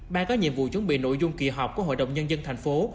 ban có nhiệm vụ chuẩn bị nội dung kỳ họp của hội đồng nhân dân thành phố